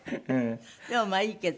でもまあいいけど。